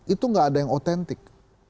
itu gak ada yang otentik